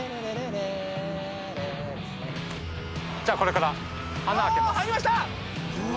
じゃあこれから。